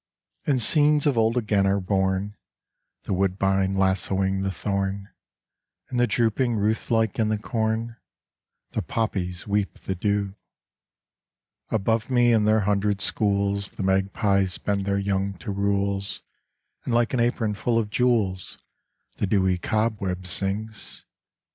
And scenes of old again are bom. The woodbine lassoing the thorn, And drooping Ruth like in the corn The poppies weep the dew. Above me in their hundred schools The magpies bend their young to rules, And like an apron full of jewels The dewy cobweb swings.